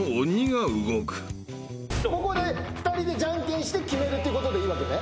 ここで２人でじゃんけんして決めるってことでいいわけね？